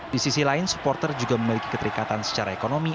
di sisi lain supporter juga memiliki keterikatan secara ekonomi